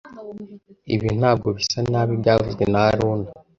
Ibi ntabwo bisa nabi byavuzwe na haruna